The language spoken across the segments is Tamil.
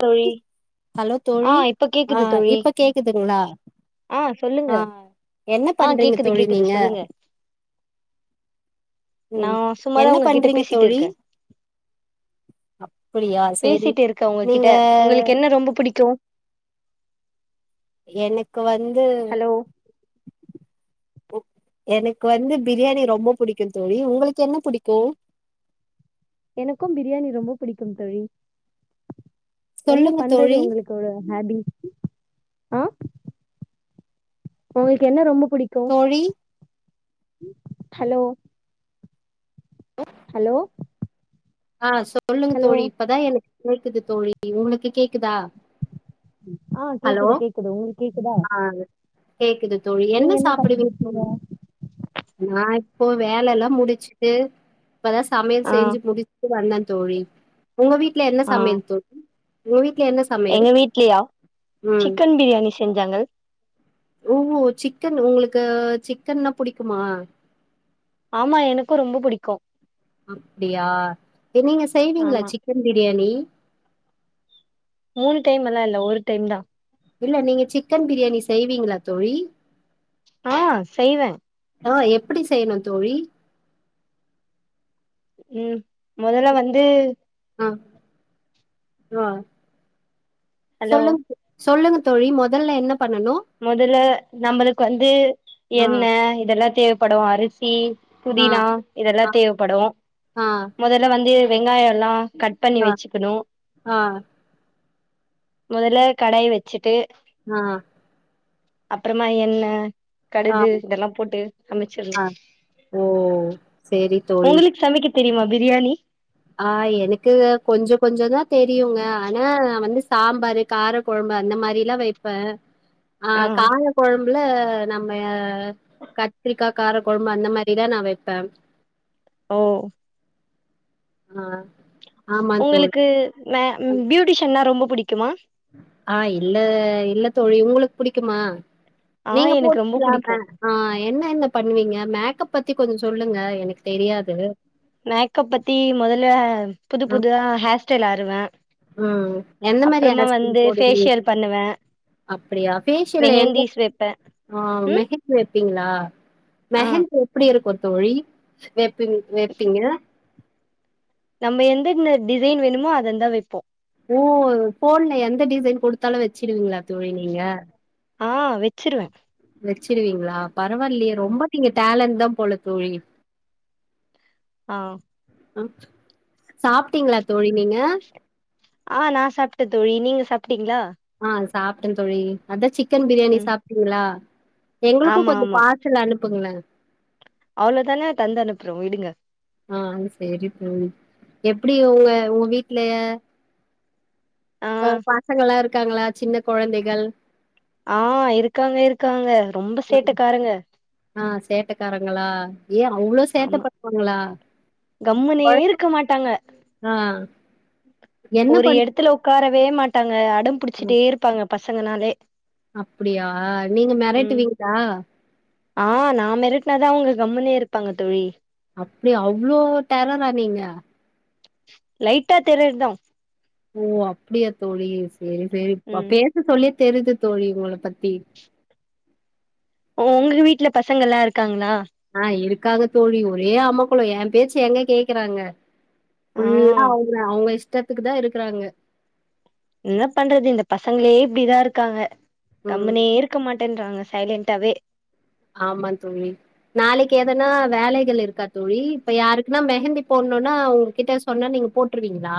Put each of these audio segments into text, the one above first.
தோழி ஹலோ ஆ தோழி இப்ப ஆ கேக்குது தோழி இப்ப கேக்குதுங்ளா ஆ சொல்லுங்க ஆ என்ன ஆ பண்றீங்க கேக்குது தோழி கேக்குது நீங்க சொல்லுங்க நா ம் சும்மாதா என்ன உங்ககிட்ட பண்றீங்க பேசிட்டு தோழி இருக்கே அப்புடியா சேரிப் பேசிட்டு நீங்க தோ எனக் க்கு வந்து உ எனக்கு வந்து பிரியாணி ரொம்போ புடிக்கும் தோழி உங்களுக்கு என்ன புடிக்கும் எனக்கும் பிரியாணி ரொம்ப புடிக்கும் தோழி என்ன சொல்லுங்க பண்றது தோழி உங்களுக்கு ஒரு ஹேபி ஆ உங்களுக்கு என்ன ரொம்போப் தோழி ஹலோ ஹலோ ஆ சொல்லுங்க ஹலோ தோழி இப்பதா எனக்கு கேக்குது தோழி உங்களுக்கு கேக்குதா ஆ ஹலோ கேக்குது கேக்குது உங்களுக்கு கேக்குதா ஆ கேக்குது தோழி என்ன நீங்க பண்ணிட்டு சாப்புடுவீங்க தோழி இருக்கீங்க நான் இப்போ வேல லெல்லா முடிச்சுட்டு இப்பதா சமையல் ஆ செயிஞ்சு முடித்து வந்தே தோழி உங்க வீட்ல என்ன ஆ சமையல் தோ தோழி என்ன சமையல் எங்க வீட்லயா சிக்கன் பிரியாணி செஞ்சாங்க ஓஓ சிக்கன் உங்களுக்கு சிக்கன்ன புடி க்குமா ஆமா எனக்கும் ரொம்ப புடிக்கும் அப்டியா நீங்க செய்வீங்களா ஆமா சிக்கன் பிரியாணி மூணு டைம் எல்லாம் இல்ல ஒரு டைம் தான் இல்ல நீங்க சிக்கன் பிரியாணி செய்வீங்களா தோழி ஆ செய்வேன் ஆ எப்டி செய்யணும் தோழி ம் மொதல்ல வந்து ஆ ஆ ஹலோ சொல்லுங்க சொல்லுங்க தோழி மொதல்ல என்ன பண்ணனு மொதல்ல நம்மளுக்கு வந்து ஆ எண்ணெய் இதெல்லாம் தேவைப்படும் அரு சி ஆ புதினா இதெல்லா ஆ தேவைப்படும் ஆ மொதல்ல வந்து வெங்காய எல்லா கட் பண்ணி ஆ வச்சுக்கணு ஆ மொதல்ல கடாய் வச்சுட்டு ஆ அப்புறமா எண்ண ஆ கடுகு இதெல்லாம் போட்டு சமைச்சிரு ஆ ஓ சேரி தோழி உங்களுக்கு சமைக்க தெரியுமா பிரியாணி ஆ எனக்கு கொஞ்சோ கொஞ்சோ தா தெரியுங்க ஆனா வந்து சாம்பாரு கார கொழம்பு அந்த மாரிலாம் வைப்பே ஆ காழ கொழம் புள நம்ம கத்திரிக்கா காரக்கொழம்பு அந்த மாரிதான் நா வைப்பே ஓ ஆ ஆமா தோழி. உங்களுக்கு ம பியூட்டிஷன்னா ரொம்ப பிடிக்குமா ஆ இல்ல இல்ல தோழி ஒங்களுக்கு புடிக்குமா? ஆ நீங்க எனக்கு ரொம்ப போட்டுக்கல ம புடிக்கு ஆ என்ன என்ன பண்ணுவீங்க மே மேக்கப் பத்தி கொஞ்சொ சொல்லுங்க எனக்கு தெரியாது மேக்கப் பத்தி மொதல புது புது அ ஹேர் ஸ்டைல் அறுவே உம் எந்த மாரி [unintelligible] போடுவிங்க ஃபேஷியல் பண்ணுவே அப்டியா ஃபேஷியல்ல எந்த மெஹந்திஸ் வைப்பே ஆ ம் மெஹந்தி வெப்பிங்களா ஆ ஆ மெஹந் எப்டி இருக்கு தோழி வெப் பினி வேப்பிங்க நம்ம எந்தன்ன டிசைன் வேணுமோ அதந்தா வைப்போ ஓ ஃபோன்ல எந்த டிசைன் கொடுத்தாலு வெச்சிடுவிங்ளா ஆ வெச்சிருவே சிடுவீங்ளா பரவால்லியே ரொம்ப நீங்க டேலண்ட் தாம் போல தோழி ஆஹ் அ சாப்டிங்ளா தோழி நீங்க ஆ நா சாப்ட்ட தோழி நீங்க சாப் டிங்ளா சாப்ட்டந்தொழி அதா சி க்கன் பிரியாணி சாப்டிங்களா எங்ளுக்கு கொஞ்சொ பார்சல் அனுப்புங்ளே அவ்ளோதானெ தந்தனுப்றோ விடுங்க ஆ சேரி தோழி எப்டி உங்க உங்க வீட்லெய ஆ அ பசங்கல்லா இருக்காங்களா சின்ன கொழந்தைகள் ஆஹ் இருக்காங்க இருக்காங்க ரொம்ப சேட்டக்காரங்க ஆ சேட்டக்காரங்களா ஏ அவ்ளோ சேட்ட ஆமா பண்ணுவாங்களா கம்முனே குழந்தை- இருக்க மாட்டாங்க ஆ என்ன ஒரு பண்ணு எடத்துல உக் உக்காரவே மாட்டாங்க அ அடம்புடிச்சிட்டே இருப்பாங்க பஸ் சங்கனாலே அப்டியா நீங்க மெரட்டுவிங்ளா ஆஹ் நா மெரட்னாதா அவங்க கம்முனே இருப்பாங்க தோழி அப்டியா அவ்ளோ டெரரா நீங்க லைட்டா டெரர்தா ஓ அப்டியா தோழீஸ் சேரி சேரி ப ம் பேச சொல்லி தெரிது தோழி உங்கள பத்தி ஒங்க வீட்ல பசங்கல்லா இருக்காங்ளா க்காங்க தோழி ஒரே அமக்குளோ எ பேச்சி எங்க கேக்குறாங்க ஆ ஃபுல்லா அவ்ங்க அவுங்க இஸ் டத்துக்கு தா இருக்குறாங்க இன்ன பண்றது இந்த பசங்களே இப்டிதா இருக்காங்க ம் கம்முனே இருக்க மாட் டேன்றாங்க சைலென்டாவே ஆமா தோழி நாளைக்கு எதனா வேலைகள் இருக்கா தோழி, இப்ப யாருக்குனா மெஹந்தி போட்ணுனா உங் கிட்ட சொன்னா நீங்க போட்டுடு வீங்ளா?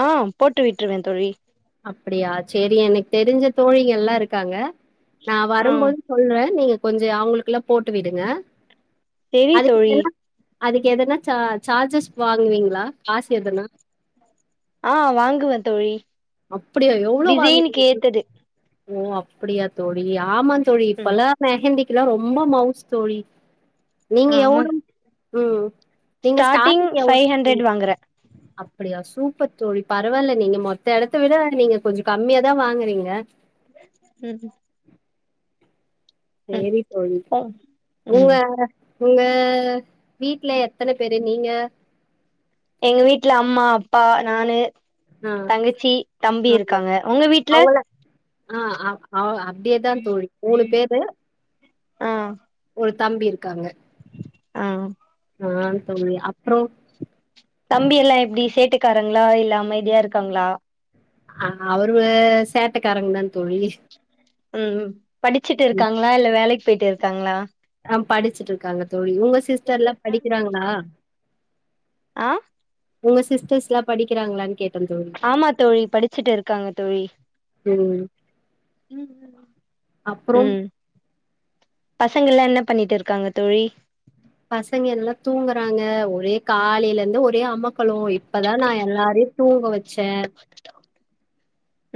ஆ போட்டு விட்ருவே தோழி அப்படியா சேரி எனக் தெரிஞ்ச தோழிகெல்லா இருக்காங்க நா ஆ வரும்போது சொல்றே நீங்க கொஞ்சு அவ்ங்ளுக்கில்லா போட்டு விடுங்க செரி அதுக்கு தோழி அதுக்கு எதனா ச சார்ஜஸ் வாங்குவீங்ளா ஆ வாங்குவே தோழி அப்படியா எவ்ளோ வாங்கி [inaudible] டிசைனுக்கு ஏத்தது ஓ அப்பிடியா தோழி ஆமா தோழி ம் பல மெஹந்தி க்குலா ரொம்ப மவுஸ் தோழி நீங்க எவ் ஆமா [inaudible] ம் நீங்க ஸ்டார்டிங் ஸ்டாடிங்ல எவ் ஃபைவ் ஹண்ட்ரட் வாங்குறே [inaudible] அப்படியா சூ சூப்பர் தோழி பரவால்ல நீங்க மத் த எடத்த விட நீங்க கொஞ்சு கம்மியா தா வாங்குறீங்க ம் ம் சேரி தோழி ம் உ வே ம் உங்க வீட்ல எத்தன பேரு நீங்க எங்க வீட்ல அம்மா அப்பா நானு ஆ தங்கச்சி தம்பி இருக்காங்க உங்க வீட்ல அ அ அ அ இதே தா தோழி மூனு பேரு ஆ ஒரு தம்பி இருக் காங்க ஆ அ தோழி அப்றோ தம்பி எல்லா எப்படி சேட்டை க்காரங்ளா இல்லாம அமைத்யா இருக்காங்ளா அ அவரு சேட்டக்காரங்தா ம் படிச்சுட்டு இருக்காங்களா இல்ல வேலைக்கு போய்ட்டு கங்ளா அ படிச்சுட்டு இருக்காங்க ழ உங்க சிஸ்டர் எல்லாம் படிக்கிறாங்களாங்க ஆ சிஸடர்ஸ் லா படிக்கிறங்களானு கேட் ஆமா தோழி படிச்சுட்டு இருக்காங்க தோழி ம் அப்புறம் ம் பசங்கள்லா என்ன பண்ணிட்டு இருக்காங்க தோழி பசங்க எல்லாம் தூங்குறாங்க ஒரே காலைல இருந்து ஒரே அம்மா க்களு இப்பதான் நான் எல்லாரையு தூங்க வச்சே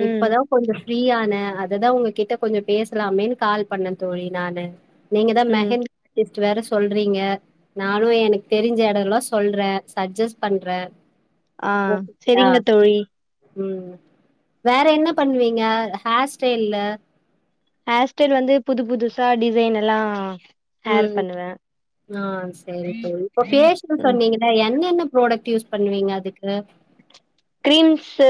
ம் இப்பதா கொஞ்சோ ஃப்ரீயான அததா உங்ககிட்ட கொஞ்சோ பேசலாமேன்னு கால் பண்ணே தோழி நானு நீங்க தா ம் மெஹந் டிஸ் வேற சொல் சொல்றீங்க நானு எனக்கு தெரிஞ்ச இடத்துல்லா சொல்றே ச்ஜஸ்ட் பண்றே ஆ ஓகேங்களா செரிங்க தோழி ம் வேற என்ன பண்ணுவீங்க ஹேர் ஸ்டைல்ல ஹேர் ஸ்டைல் வந்து புது புதுசா டிசைன் எல்லா ஹேர் ம் பண்ணுவே ஆ செரி தோழி இப்ப பேஸ்ட்ன்னு ம் சொன்னீங்ல என்னென்ன ப்ரடக்ட் யூஸ் பண்ணுவீங்க அதுக்கு கிரீம்ஸு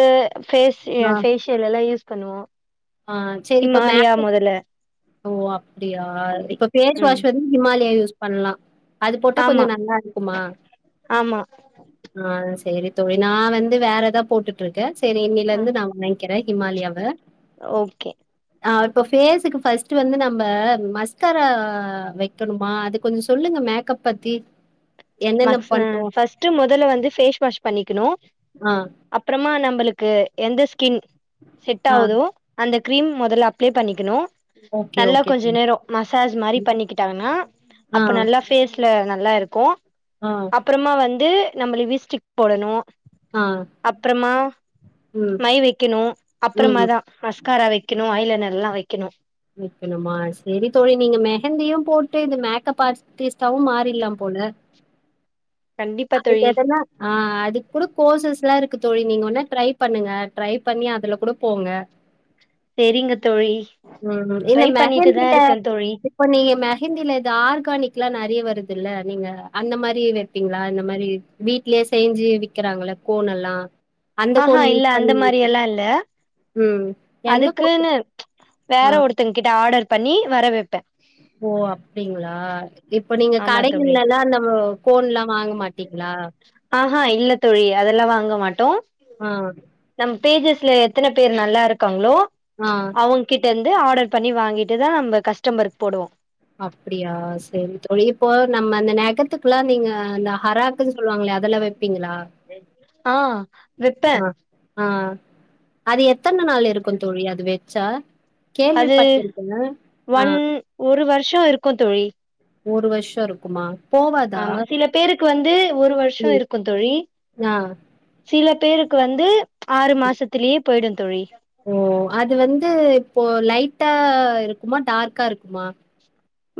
ஆ, ஃபேஷியல் எல்லாம் யூஸ் பண்ணுவோ ஆ செரி இப்ப ஹிமாலயா மொதல்ல ஓ அப்படியா அப்டி இப்ப பேஸ் ம் வாஷ் வந்து ஹிமாலயா யூஸ் பண்லா அது போட்டா கொஞ்சோ ஆமா நல்லா இருக்குமா ஆமா ஆ செரி தோழி நா வந்து வேற தா போட்டுட்டு இருக்கே செரி இன்னைல ஆ இருந்து நான் வாங்க்கிறே இமாலயாவ ஓகே ஆ இப்ப ஃபேஸ்க்கு ஃபர்ஸ்ட் வந்து நம்ப மஸ்கரா வைக்கணுமா அதுக் கொஞ்சோ சொல்லுங்க மெக்கப் பத்தி என்னென்ன பண்ணணும்? மஸ் முதல வந்து ஃபேஸ் வாஷ் பண்ணிக்கணு ஆ, அப்பறமா நம் உங்களுக்கு எந்த ஸ்கின் செட் ஆ. ஆவுதோ அந்த க்ரீம் முதல்ல அப்ளை பண்ணிக்கணு ஓகே, நல்லா ஓகே. கொஞ்சோ தோழி. நேரோ மசாஜ் மாதிரி ம். பண்ணிக்கிட்டாங்கன்னா அப்ப ஆ. நல்லா ஃபேஸ்ல நல்லா இருக்கூ ஆ, அப்புறமா வந்து நம்பள வீஸ்டிக் போடணு ஆ. அப்புறமா ம், மை வெக்கிணு ம். அப்புறமாதா மஸ்காரா வெக்கி இன்னு வாயில நல்லா வைக்கணு வெக்கிணுமா சேரி தோழி நீங்க மெஹந்தியும் போட்டு இந்த மேக்கப் ஆர்டிஸ்ட்டாவும் மாறிட்லா போல கண்டிப்பா அதுக்கு தோழி என்னன்னா ஆ அதுக் கூட கோர்சஸ் லா இருக் க்கு தோழி நீங்க வேண்னா ட்ரை பண்ணுங்க ட்ரை பண்ணி அதுல கூட போங்க செரிங்க தோழி ம் இந்த ட்ரை பண்ணிட்டு தா மெஹந்தில இருக்கே தோழி இப்ப நீங்க மெஹந்தில டார் க்கானிக் லா நறைய வருதுல்ல நீங்க அந்த மாரி வெப்பீங்ளான்னு மாரி வீட்லே செஞ்சு விக்கிறாங்கள்ள கோன்ல்லா ஆஹா இல்ல அந்த மாரி எல்லா இல்ல ம். எந்த கோன்? அதுக்குன்னு ஆ. வேற ஒருத்தங்க கிட்ட ஆர்டர் பண்ணி வர வெப்பே ஓ அப்டிங்களா? இப்ப நீங்க கடைகுல்ல ல்லா நம்போ கோன் லா வாங்க மாட் ட்டீங்ளா ஆ இல்ல தோழி அதெல்லா வாங்க மாட்டோ ஆ ம் தேஜஸ்ல எத்தன பேர் நல்லாருக்காங்ளோ ஆ. அவங்க கிட்ட இருந்து ஆடர் பண்ணி வாங்கிட்டுதா நம்ப கஸ்டமர்க்கு போடுவோம் அப்புடியா சேரி தோழி இப்போ நம்ம அந்த நெகத்துக்குல்லா நீங்க அந்த ஹராக்குன்னு சொல்லுவாங்களே அதுல்லா வெப் ஆ விப்பே ம் ஆ ஆ அது எத்தன நாள் இருக்கூ தோழி அது வெச்சா அது ஒன் ஒரு வருஷோ இருக்கூ தோழி ஒரு வருஷோ இருக்குமா போவாதா? ஆமா சில பேருக்கு வந்து ஒரு வருஷோ ம். இருக்கும் தோழி ஆ. சில பேருக் க்கு வந்து ஆறு மாசத்துலே போயிடோ தோழி ஓ அது வந்து இப்போ லைட்டா இருக்குமா டார்க்கா இருக்குமா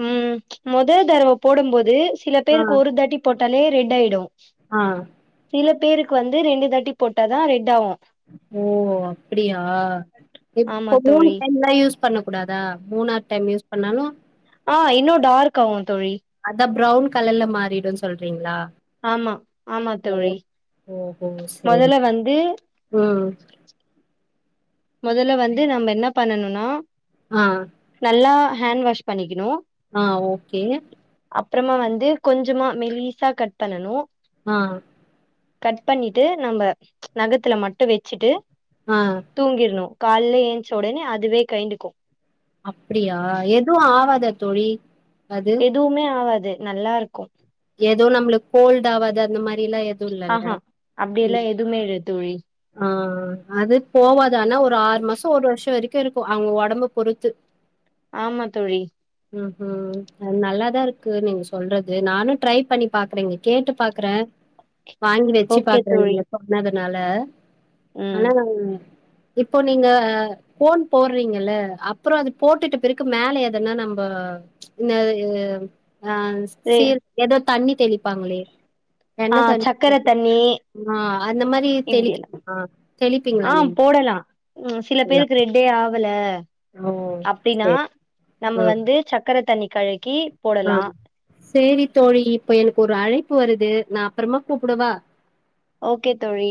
ம் மொத தடவ போடும்போது சில ஆ, பேருக்கு ஒரு தாட்டி போட் ட்டாலே ரெட் ஆயிடு ஆ சில பேருக்கு வந்து ரெண்டு தட்டி போட்டாதா ரெட் ஆவு ஓ அப்டியா ஆமா இப்பொ மூண் தோழி டைம்ல யூஸ் பண்ணக்கூடாதா மூணாது டைம் யூஸ் பண்ணாலு ஆ இன்னு டார்க் ஆவு தோழி ப்ரவுன் கலர்ல மாறிடுன் சொல்றீங்களா ஆமா ஆமா ஓ தோழி ஓஹோ சேரி மொதல்ல சேரி வந்து ம் மெதல்ல வந்து நம்ம என்ன பண்ணனுனா ஆ நல்லா ஹேண் வாஷ் பண்ணிக்கிணு ஆ ஓகே அப்றமா வந்து கொஞ்சமா மெலீ சா கட் பண்ணணு ஆ கட் பண்ணிட்டு நம்ம நகத்துல மட்டு வெச்சுட்டு ஆ தூங்கிட்ணு கால்ல ஏன்ச்ச ஒடனே அதுவே கயிண்டுக்கு அப்டியா எதுவு ஆவாதா தோழி அது எதுவுமே ஆவாது நல்லா இருக்கு ஏதோ நம்ளுக் கோல்டு ஆவாது அந்த மாரிலா எ அஹா அப்டில்லா எதுவுமே இல்ல தோழி ஆ ம் அது போவாது ஆனா ஒரு ஆறு மாசொ ஒரு வருஷொ வரைக்கு இருக்கு அவங்க ஒடம்ப பொறுத்து ஆமா தோழி ம் ஹும் நல்லாதா இருக்கு நீங்க சொல்றது நானு ட்ரை பண்ணி பாக்குறங்க கேட்டு பாக்குறே வாங்கி வெச்சு ஓகே பாக்குறே நீங்க தோழி எப்ப வெனாது னால ஆனா ம் நம்ம ஒன்னு இப்போ நீங்க கோன் போட்றீங்கல்ல அப்புறொ அது போட்டுட்டு பிறகு மேலே எதன்னா நம்ப இந்த ஆ ச் ரே சீ தண்ணி தெளிப்பாங்களே ஆ என்ன தண்ணி சக்கர தண்ணி ஆ அந்த மாரி இப்டி தெளிக்கணுமா தெளிப்பீங்களா ஆ நீங்க போடலா சில எல்லா பேருக்கு ரெட்டே ஆ குல ஓ அப்டின்னா சேரி நம்ம ம் வந்து சக்கர தண்ணி கை ஆ சேரி தோழி இப்ப எனக்கு ஒரு அழைப்பு வருது நா அப்புறமா கூப்புடவா ஓகே தோழி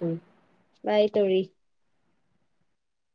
தோ [inaudible] பை தோழி